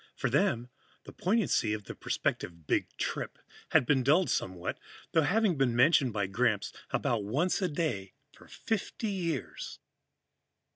For them, the poignancy of the prospective Big Trip had been dulled somewhat, through having been mentioned by Gramps about once a day for fifty years.